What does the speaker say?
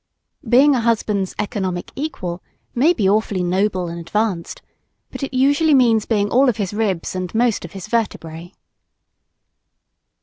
Being a husband's "economic equal" may be awfully noble and advanced; but it usually means being all of his ribs and most of his vertebrae.